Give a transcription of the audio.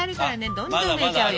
どんどん増えちゃうよ。